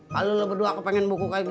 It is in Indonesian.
kalau kamu berdua ingin membuku seperti ini